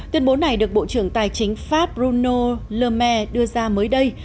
tuyên bố này được bộ trưởng tài chính pháp bruno le maire đưa ra mới đây